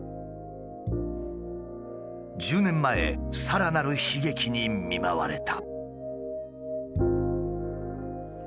１０年前さらなる悲劇に見舞われた。